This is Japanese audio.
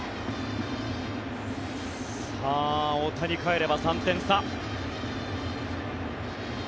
大谷かえれば３点差。